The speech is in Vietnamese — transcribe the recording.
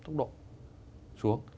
tốc độ xuống